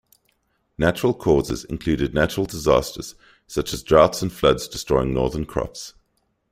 Natural causes included natural disasters such as droughts and floods destroying northern crops.